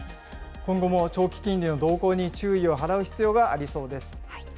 今後も長期金利の動向に注意を払う必要がありそうです。